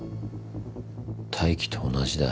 泰生と同じだ。